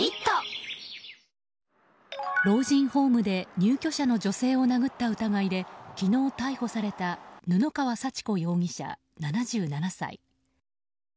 老人ホームで入居者の女性を殴った疑いで昨日逮捕された布川幸子容疑者、７７歳。